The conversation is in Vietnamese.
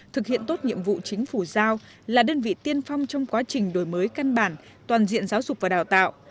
thực hiện tốt nhiệm vụ chính phủ giao là đơn vị tiên phong trong quá trình đổi mới căn bản toàn diện giáo dục và đào tạo